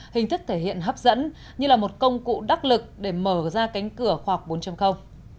hình thức thể hiện hấp dẫn như là một công cụ đắc lực để mở ra cánh cửa khoa học bốn